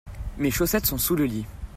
mes chaussettes sont sous le lit.